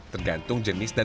tergantung jenis tangan